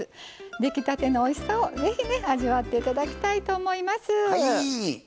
出来たてのおいしさを是非ね味わって頂きたいと思います。